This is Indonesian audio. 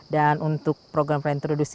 dan untuk program reintroduksi